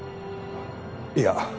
いや。